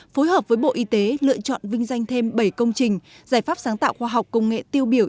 phối hợp với bộ y tế lựa chọn vinh danh thêm bảy công trình giải pháp sáng tạo khoa học công nghệ tiêu biểu